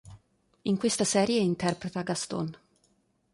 In questa serie interpreta Gastón.